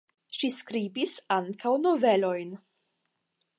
Ŝi skribis ankaŭ novelojn.